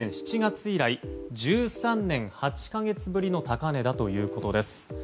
こちらは２００８年７月以来１３年８か月ぶりの高値だということです。